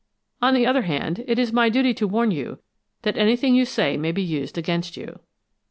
On the other hand, it is my duty to warn you that anything you say may be used against you."